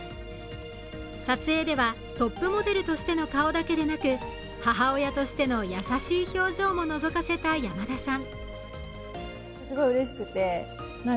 撮影ではトップモデルとしての顔だけでなく母親としての優しい表情ものぞかせた山田さん。